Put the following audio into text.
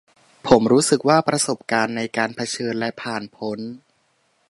ผมรู้สึกว่า ประสบการณ์ในการ 'เผชิญ' และ 'ผ่านพ้น'